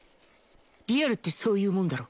リアルってそういうもんだろ。